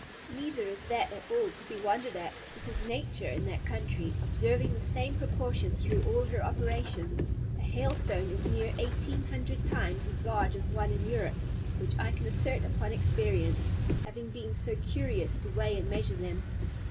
Neither is that at all to be wondered at, because nature, in that country, observing the same proportion through all her operations, a hailstone is near eighteen hundred times as large as one in Europe; which I can assert upon experience, having been so curious to weigh and measure them.